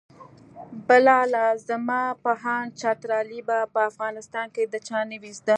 بلاله زما په اند چترالي به په افغانستان کې د چا نه وي زده.